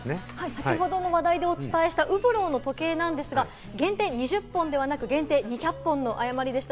先ほどの話題でお伝えしたウブロの時計、限定２０本ではなく、限定２００本の誤りでした。